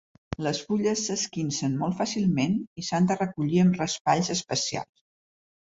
Les fulles s'esquincen molt fàcilment i s'han de recollir amb raspalls especials.